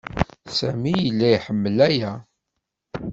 Sami yella iḥemmel-aya.